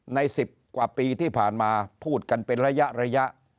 ๑๐กว่าปีที่ผ่านมาพูดกันเป็นระยะ